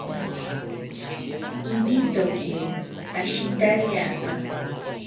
Ibitoki ashitariaka